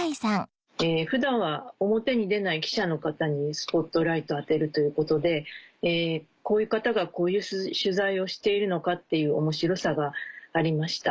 普段は表に出ない記者の方にスポットライトを当てるということでこういう方がこういう取材をしているのかっていう面白さがありました。